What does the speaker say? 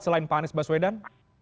selain pak anies baswedan